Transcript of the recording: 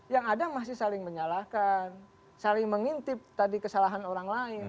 yang ada masih saling menyalahkan saling mengintip tadi kesalahan orang lain